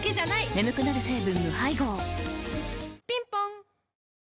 眠くなる成分無配合ぴんぽん